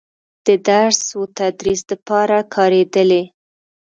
د درس و تدريس دپاره کارېدلې